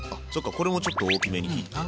これもちょっと大きめに切ってね。